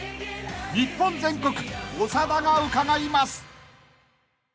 ［日本全国長田が伺います！］